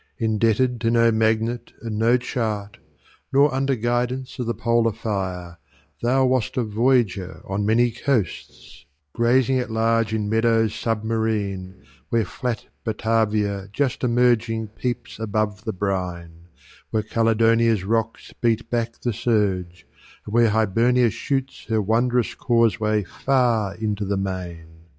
Indebted to no magnet and no chart, Nor under guidance of the polar fire, Thou wast a voyager on many coasts, Grazing at large in meadows submarine, Where flat Batavia just emerging peeps Above the brine, where Caledonia's rocks Beat back the surge, and where Hibernia shoots Her wondrous causeway far into the main.